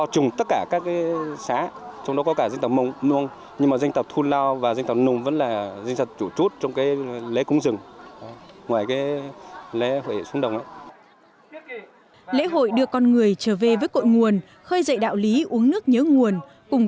cùng cùng với các dân tộc mong dân tộc thu lao và dân tộc nùng chủ yếu là huyện xuống đồng và huyện xuống đồng ra còn có một huyện cúng rừng